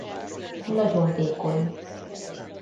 Nagyon vékony.